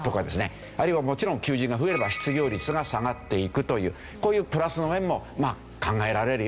あるいはもちろん求人が増えれば失業率が下がっていくというこういうプラスの面も考えられるよ。